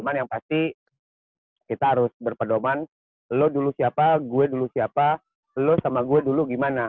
cuman yang pasti kita harus berpedoman lo dulu siapa gue dulu siapa lo sama gue dulu gimana